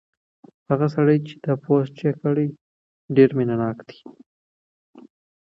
هغه سړی چې دا پوسټ یې کړی ډېر مینه ناک دی.